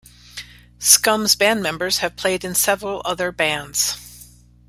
Scum's band members have played in several other bands.